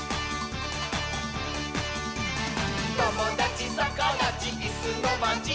「ともだちさかだちいすのまち」